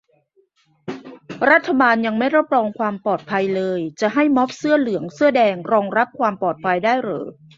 รัฐบาลยังไม่รับรองความปลอดภัยเลย จะให้ม็อบเสื้อเหลืองเสื้อแดงรับรองความปลอดภัยได้เหรอ